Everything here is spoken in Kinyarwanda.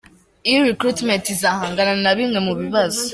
E-Recruitment izahangana na bimwe mu bibazo.